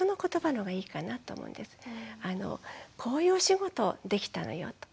こういうお仕事できたのよと。